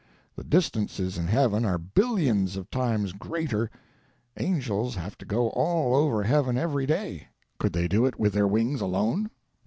The distances in heaven are billions of times greater; angels have to go all over heaven every day; could they do it with their wings alone?